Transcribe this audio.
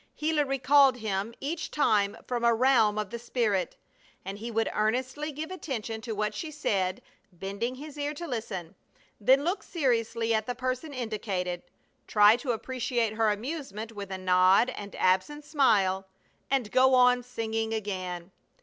Gila recalled him each time from a realm of the spirit, and he would earnestly give attention to what she said, bending his ear to listen, then look seriously at the person indicated, try to appreciate her amusement with a nod and absent smile, and go on singing again!